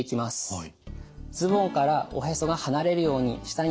はい。